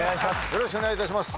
よろしくお願いします